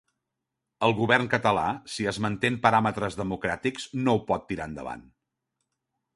El govern català, si es manté en paràmetres democràtics, no ho pot tirar endavant.